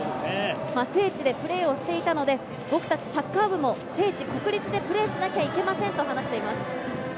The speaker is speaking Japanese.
聖地でプレーをしていたので、僕たちサッカー部も聖地・国立でプレーしなきゃいけませんと話しています。